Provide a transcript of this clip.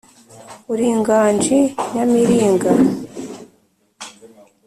uri inganji nyamiringa